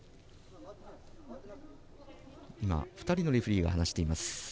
２人のレフェリーが話しています。